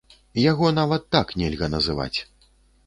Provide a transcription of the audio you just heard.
Яго нават так нельга называць.